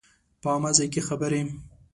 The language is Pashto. په عامه ځای کې خبرې